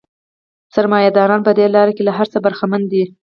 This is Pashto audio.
سرمایه داران په دې لار کې له هر څه برخمن دي